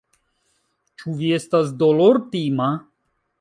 Ĉu vi estas dolortima?